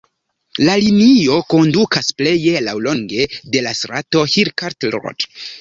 La linio kondukas pleje laŭlonge de la strato Hill Cart Road.